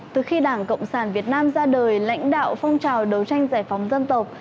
từ khi đảng cộng sản việt nam ra đời lãnh đạo phong trào đấu tranh giải phóng dân tộc